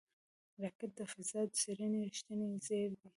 راکټ د فضا د څېړنو رېښتینی زېری دی